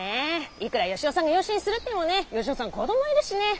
いくら吉雄さんが養子にするってもねぇ吉雄さん子どもいるしねぇ。